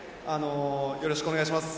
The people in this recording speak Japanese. よろしくお願いします。